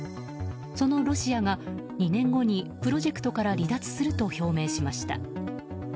そのロシアが２年後にプロジェクトから離脱すると表明しました。